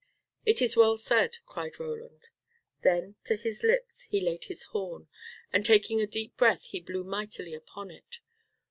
"It is well said," cried Roland. Then to his lips he laid his horn, and taking a deep breath he blew mightily upon it.